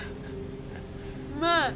うまい